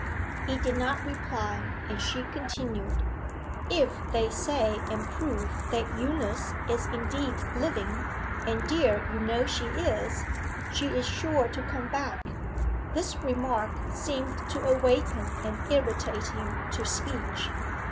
He did not reply, and she continued, 'If they say and prove that Eunice is indeed living and dear, you know she is she is sure to come back.' This remark seemed to awaken and irritate him to speech.